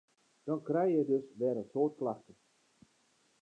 Dan krije je dus wer in soad klachten.